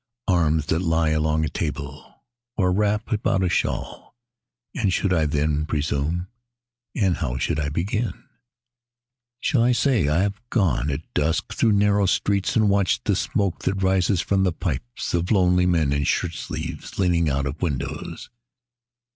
Arms that lie along a table, or wrap about a shawl. And should I then presume? And how should I begin? Shall I say, I have gone at dusk through narrow streets And watched the smoke that rises from the pipes Of lonely men in shirt sleeves, leaning out of windows?